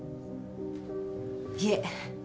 いえ。